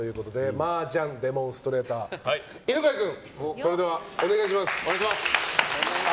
マージャンデモンストレーター犬飼君、お願いします。